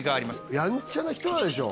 やんちゃな人なんでしょう？